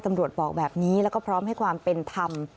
บอกแบบนี้แล้วก็พร้อมให้ความเป็นธรรม